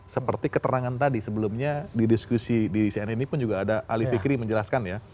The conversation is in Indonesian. seperti keterangan tadi sebelumnya di diskusi di cnn ini pun juga ada ali fikri menjelaskan ya